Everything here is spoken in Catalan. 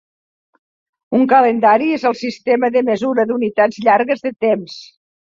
Un calendari és el sistema de mesura d'unitats llargues de temps.